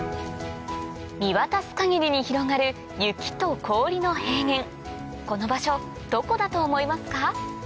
見渡す限りに広がる雪と氷の平原この場所どこだと思いますか？